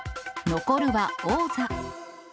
残るは王座。